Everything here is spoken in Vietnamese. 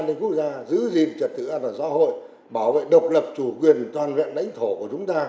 an ninh quốc gia giữ gìn trật tự an toàn xã hội bảo vệ độc lập chủ quyền toàn vẹn lãnh thổ của chúng ta